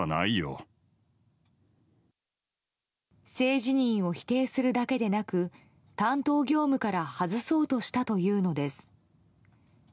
性自認を否定するだけでなく担当業務から外そうとしたというのです。